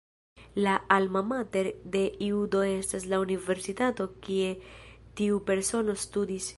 La "Alma mater" de iu do estas la universitato kie tiu persono studis.